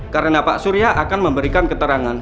karena pak surya akan memberikan keterangan